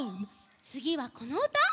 つぎはこのうた！